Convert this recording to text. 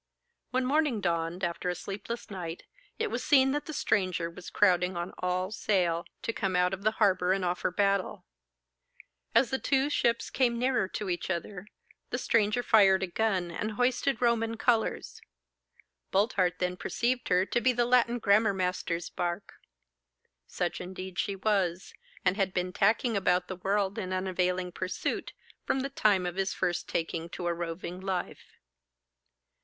When morning dawned, after a sleepless night, it was seen that the stranger was crowding on all sail to come out of the harbour and offer battle. As the two ships came nearer to each other, the stranger fired a gun and hoisted Roman colours. Boldheart then perceived her to be the Latin grammar master's bark. Such indeed she was, and had been tacking about the world in unavailing pursuit, from the time of his first taking to a roving life.